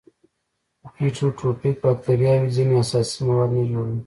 هیټروټروفیک باکتریاوې ځینې اساسي مواد نه جوړوي.